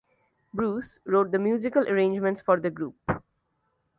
Bruce wrote the musical arrangements for the group.